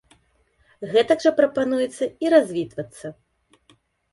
Гэтак жа прапануецца і развітвацца.